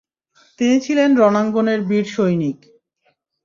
তিনি ছিলেন রণাঙ্গনের বীর সৈনিক।